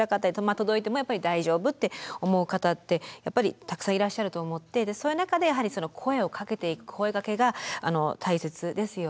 まあ届いてもやっぱり大丈夫って思う方ってやっぱりたくさんいらっしゃると思ってそういう中でやはり声をかけていく声がけが大切ですよね。